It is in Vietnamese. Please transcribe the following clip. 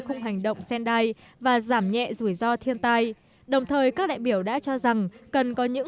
khung hành động sen đai và giảm nhẹ rủi ro thiên tai đồng thời các đại biểu đã cho rằng cần có những